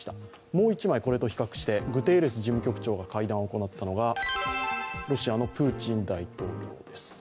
もう一枚、これと比較してグテーレス事務総長が会談を行ったのがロシアのプーチン大統領です。